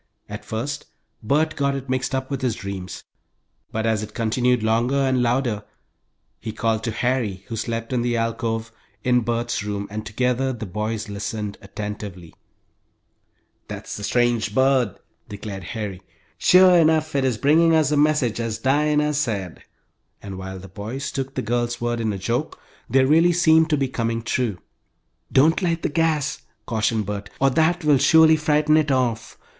At first Bert got it mixed up with his dreams, but as it continued longer and louder, he called to Harry, who slept in the alcove in Bert's room, and together the boys listened, attentively. "That's the strange bird," declared Harry. "Sure enough it is bringing us a message, as Dinah said," and while the boys took the girl's words in a joke, they really seemed to be coming true. "Don't light the gas," cautioned Bert, "or that will surely frighten it off.